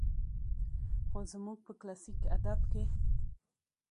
خو زموږ په کلاسيک ادب کې